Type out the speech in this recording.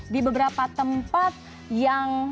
di beberapa tempat yang